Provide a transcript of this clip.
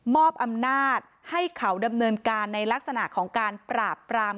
อำนาจให้เขาดำเนินการในลักษณะของการปราบปราม